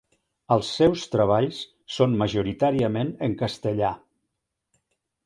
Els seus treballs són majoritàriament en castellà.